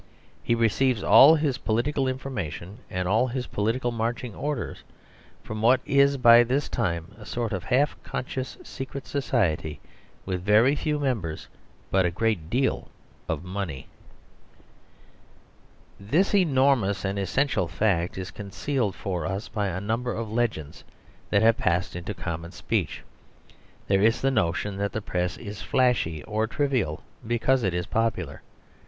He receives all his political information and all his political marching orders from what is by this time a sort of half conscious secret society, with very few members, but a great deal of money. This enormous and essential fact is concealed for us by a number of legends that have passed into common speech. There is the notion that the Press is flashy or trivial because it is popular.